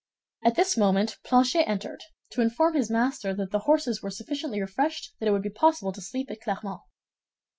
At this moment Planchet entered, to inform his master that the horses were sufficiently refreshed and that it would be possible to sleep at Clermont.